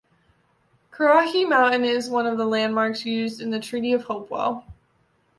Currahee Mountain is one of the landmarks used in the Treaty of Hopewell.